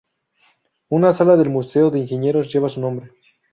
Una sala del Museo de Ingenieros lleva su nombre.